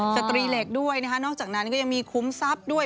สตรีเหล็กด้วยนะคะนอกจากนั้นก็ยังมีคุ้มทรัพย์ด้วย